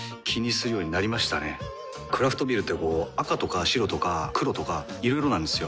クラフトビールってこう赤とか白とか黒とかいろいろなんですよ。